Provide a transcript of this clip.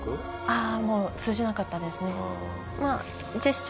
ああもう通じなかったですね。